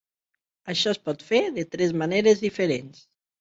Això es pot fer de tres maneres diferents.